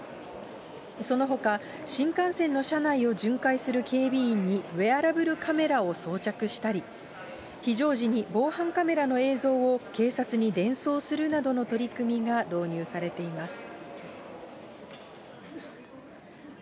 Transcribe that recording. そのほか、新幹線の車内を巡回する警備員にウエアラブルカメラを装着したり、非常時に防犯カメラの映像を警察に伝送させるなどの取り組みが導入されています。